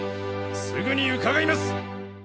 すぐに伺います！